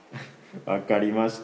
わかりました。